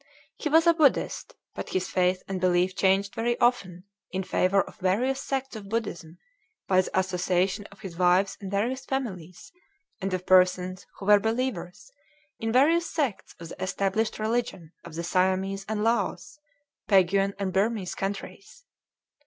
He was a Buddhist, but his faith and belief changed very often in favor of various sects of Buddhism by the association of his wives and various families and of persons who were believers in various sects of the established religion of the Siamese and Laos, Peguan and Burmese countries.